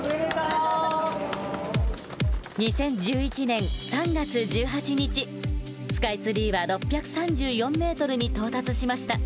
２０１１年３月１８日スカイツリーは６３４ｍに到達しました。